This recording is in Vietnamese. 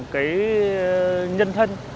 cái nhân thân